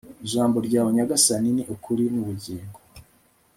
ijambo ryawe nyagasani ni ukuri n'ubugingo